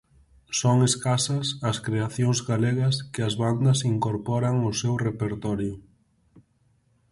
Son escasas as creacións galegas que as bandas incorporan ao seu repertorio.